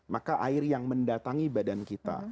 maka air yang mendatangi badan kita